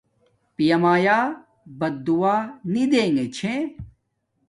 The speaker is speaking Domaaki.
پیا مایا بددعا نی دیگے چھے